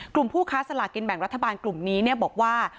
ผู้ค้าสลากินแบ่งรัฐบาลกลุ่มนี้บอกว่า